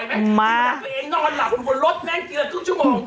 นี่มันอังกฤษนอนหลับอยู่บนรถแม่งเกือบทุกชั่วโมง